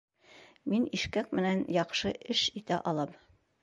Мин ишкәк менән яҡшы эш итә алам